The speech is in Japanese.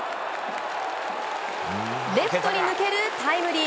レフトに抜けるタイムリー。